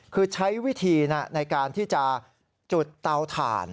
คือใช้วิธีในการที่จะจุดเตาถ่าน